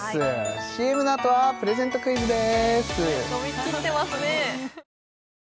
ＣＭのあとはプレゼントクイズです